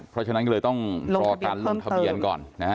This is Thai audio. เพราะฉะนั้นก็เลยต้องรอการลงทะเบียนก่อนนะฮะ